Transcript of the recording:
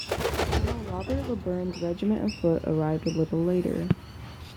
Colonel Robert Lilburne's regiment of foot arrived a little later.